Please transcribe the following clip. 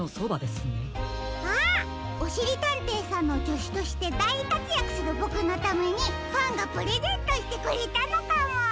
あっおしりたんていさんのじょしゅとしてだいかつやくするボクのためにファンがプレゼントしてくれたのかも！